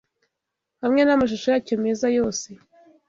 Hamwe namashusho yacyo meza yose